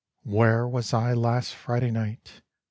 III Where was I last Friday night?